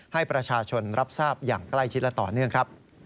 ให้ประชาชนรับทราบอย่างใกล้ชิดและต่อเนื่องครับ